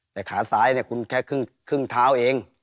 แต่ขาซ้ายเนี่ยคุณแค่ครึ่งเท้าเอง